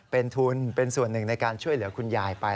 เป็นทุนเป็นส่วนหนึ่งในการช่วยเหลือคุณยายไป